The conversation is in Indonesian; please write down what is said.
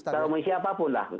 secara umum siapapun lah